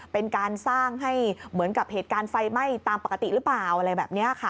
เป็นการสร้างให้เหมือนกับเหตุการณ์ไฟไหม้ตามปกติหรือเปล่าอะไรแบบนี้ค่ะ